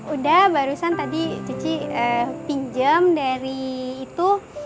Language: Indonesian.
udah barusan tadi cici pinjam dari itu